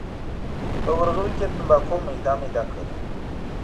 په ورغوي کې یې تنباکو میده میده کړل.